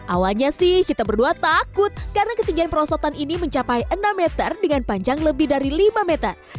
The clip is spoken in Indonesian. awalnya sih kita berdua takut karena ketinggian perosotan ini mencapai enam meter dengan panjang lebih dari lima meter